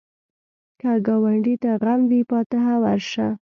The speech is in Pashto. که ګاونډي ته غم وي، فاتحه ورشه